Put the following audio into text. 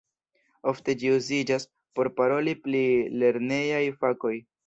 Ofte ĝi uziĝas por paroli pri lernejaj fakoj.